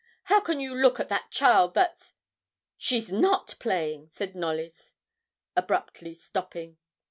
How can you look at that child that's she's not playing,' said Knollys, abruptly stopping.